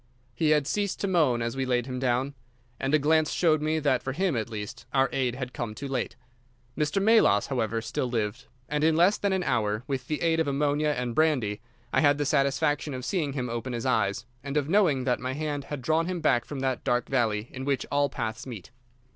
He had ceased to moan as we laid him down, and a glance showed me that for him at least our aid had come too late. Mr. Melas, however, still lived, and in less than an hour, with the aid of ammonia and brandy I had the satisfaction of seeing him open his eyes, and of knowing that my hand had drawn him back from that dark valley in which all paths meet.